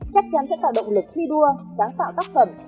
chắc chắn sẽ tạo động lực thi đua sáng tạo tác phẩm